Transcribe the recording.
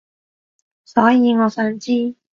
所以我想知